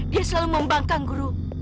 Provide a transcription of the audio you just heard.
dia selalu membangkang guru